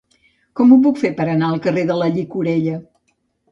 Com ho puc fer per anar al carrer de la Llicorella?